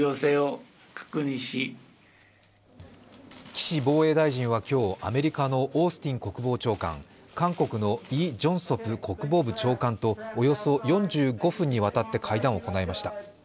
岸防衛大臣は今日、アメリカのオースティン国防長官、韓国のイ・ジョンソプ国防部長官とおよそ４５分にわたって会談を行いました。